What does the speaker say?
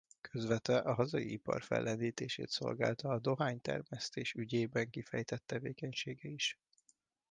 Közvetve a hazai ipar fellendítését szolgálta a dohánytermesztés ügyében kifejtett tevékenysége is.